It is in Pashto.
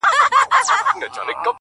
خو ژوند حتمي ستا له وجوده ملغلري غواړي ـ